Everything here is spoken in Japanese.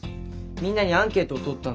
みんなにアンケートをとったんだ。